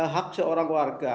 hak seorang warga